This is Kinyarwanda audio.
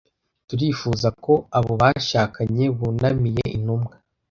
turifuza ko abo bashakanye bunamiye intumwa